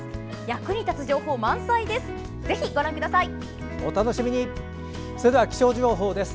役に立つ情報満載です。